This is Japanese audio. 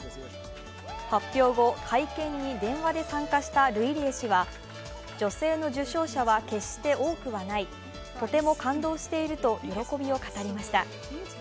発表後、会見に電話で参加したルイリエ氏は女性の受賞者は決して多くはない、とても感動していると喜びを語りました。